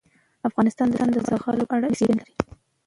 افغانستان د زغال په اړه علمي څېړنې لري.